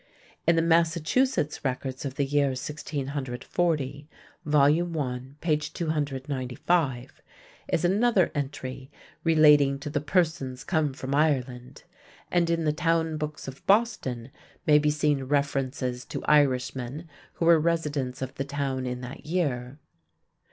In the Massachusetts records of the year 1640 (vol. I, p. 295) is another entry relating to "the persons come from Ireland," and in the Town Books of Boston may be seen references to Irishmen who were residents of the town in that year.